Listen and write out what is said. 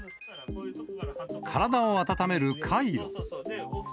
体を温めるカイロ。